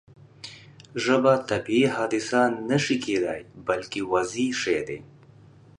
ژبه طبیعي حادثه نه شي کېدای بلکې وضعي شی دی.